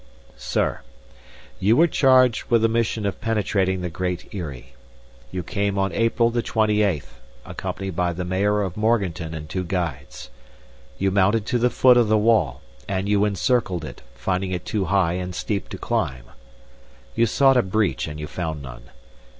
Sir, You were charged with the mission of penetrating the Great Eyrie. You came on April the twenty eighth, accompanied by the Mayor of Morganton and two guides. You mounted to the foot of the wall, and you encircled it, finding it too high and steep to climb. You sought a breech and you found none.